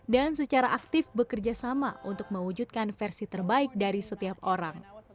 dan secara aktif bekerjasama untuk mewujudkan versi terbaik dari setiap orang